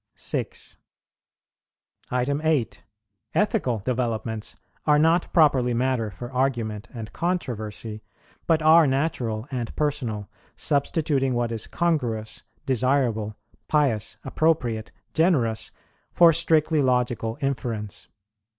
6. 8. Ethical developments are not properly matter for argument and controversy, but are natural and personal, substituting what is congruous, desirable, pious, appropriate, generous, for strictly logical inference.